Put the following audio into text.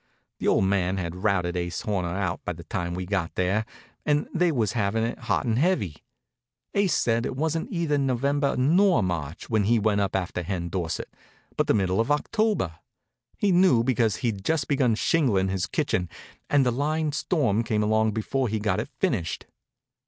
The old man had routed Ase Horner out by the time we got there, and they was havin' it hot and heavy. Ase said it wasn't either November nor March when he went up after Hen Dorsett, but the middle of October. He knew because he'd just begun shingling his kitchen and the line storm came along before he got it finished.